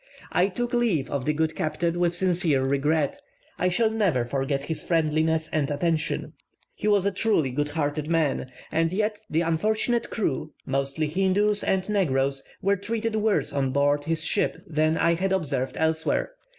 I took leave of the good captain with sincere regret. I shall never forget his friendliness and attentions. He was a truly good hearted man, and yet the unfortunate crew, mostly Hindoos and negroes, were treated worse on board his ship than I had observed elsewhere.